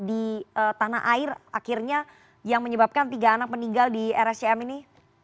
di tanah air akhirnya yang menyebabkan tiga anak meninggal di rscm ini